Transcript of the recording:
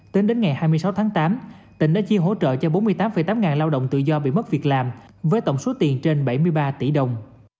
tính đến ngày hai mươi sáu tháng tám tỉnh đã chia hỗ trợ cho bốn mươi tám tám ngàn lao động tự do bị mất việc làm với tổng số tiền trên bảy mươi ba tỷ đồng